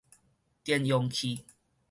電容器